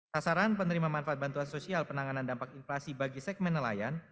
sasaran penerima manfaat bantuan sosial penanganan dampak inflasi bagi segmen nelayan